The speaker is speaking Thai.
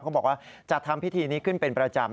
บอกว่าจัดทำพิธีนี้ขึ้นเป็นประจำ